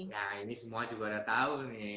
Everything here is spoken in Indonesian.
nah ini semua juga udah tahu nih